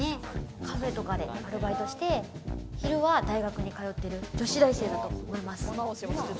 カフェとかでアルバイトして昼は大学に通ってる女子大生だと思います。